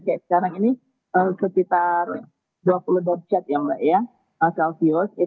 kayak sekarang ini sekitar dua puluh dua derajat celcius